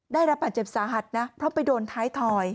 ได้รับบาดเจ็บสาหัสนะเพราะไปโดนท้ายถอย